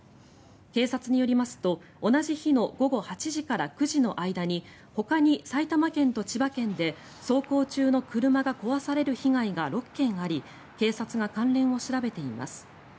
警察によりますと同じ日の午後８時から９時の間にほかに埼玉県と千葉県で走行中の車が壊される被害が６件あり警察が関連を調べています。